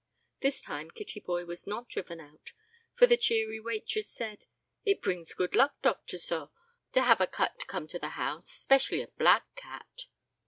This time Kittyboy was not driven out, for the cheery waitress said, "It brings good luck, doctor, sorr, to have a cat come to the house, especially a black cat."